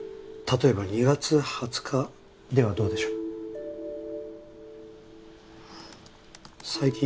例えば２月２０日ではどうでしょう？